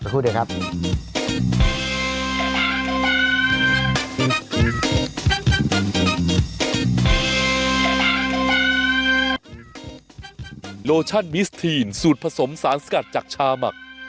พูดดีครับ